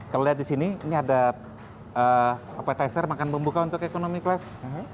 kalau lihat di sini ini ada appetizer makan pembuka untuk ekonomi kelas